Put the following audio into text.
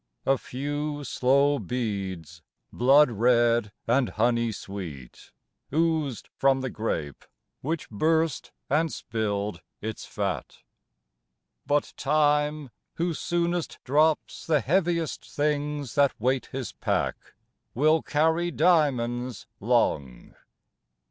A few slow beads, blood red and honey sweet, Oozed from the grape, which burst and spilled its fat. But Time, who soonest drops the heaviest things That weight his pack, will carry diamonds long.